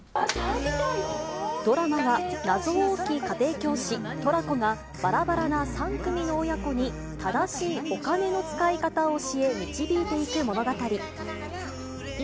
ドラマは謎多き家庭教師、トラコが、ばらばらな３組の親子に正しいお金の使い方を教え、導いていく物語。